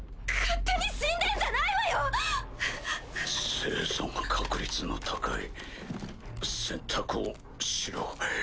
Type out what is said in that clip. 生存確率の高い選択をしろ。